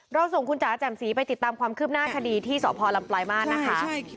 ส่งคุณจ๋าแจ่มสีไปติดตามความคืบหน้าคดีที่สพลำปลายมาตรนะคะ